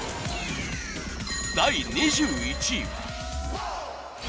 第２１位は。